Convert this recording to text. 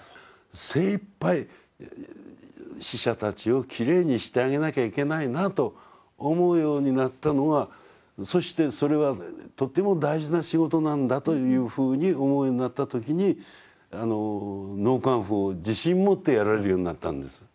精いっぱい死者たちをきれいにしてあげなきゃいけないなと思うようになったのはそしてそれはとても大事な仕事なんだというふうに思うようになった時に納棺夫を自信持ってやれるようになったんです私。